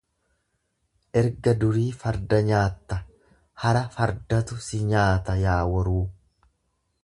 Erga durii farda nyaatta hara fardatu si nyaata yaa waruu.